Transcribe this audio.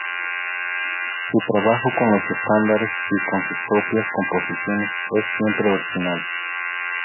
Su trabajo con los estándares y con sus propias composiciones es siempre original.